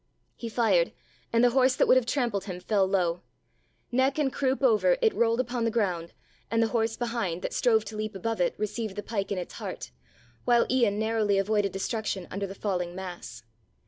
He fired, and the horse that would have trampled him fell low. Neck and croup over it rolled upon the ground and the horse behind, that strove to leap above it, received the pike in its heart, while Ian narrowly avoided destruction under the falling mass.